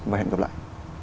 và hẹn gặp lại